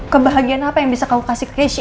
kebahagiaan apa yang bisa kamu kasih ke keisha